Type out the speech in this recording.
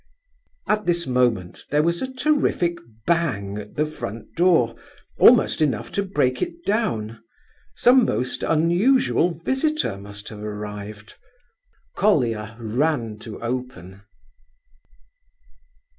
At this moment there was a terrific bang at the front door, almost enough to break it down. Some most unusual visitor must have arrived. Colia ran to open.